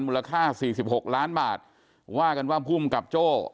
ค่าสี่สิบหกล้านบาทว่ากันว่าภูมิกับโจ้